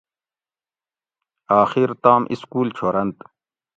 آخیر تام اِسکول چھورنت۔